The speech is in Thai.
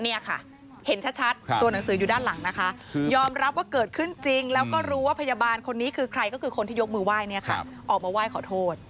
เนี่ยค่ะเห็นชัดตัวหนังสืออยู่ด้านหลังนะคะยอมรับว่าเกิดขึ้นจริงแล้วก็รู้ว่าพยาบาลคนนี้คือใครก็คือคนที่ยกมือไหว้เนี่ยค่ะออกมาไหว้ขอโทษ